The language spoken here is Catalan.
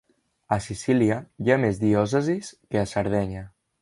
A Sicília hi ha més diòcesis que a Sardenya.